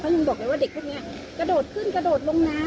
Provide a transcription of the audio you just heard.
ยังบอกเลยว่าเด็กพวกนี้กระโดดขึ้นกระโดดลงน้ำ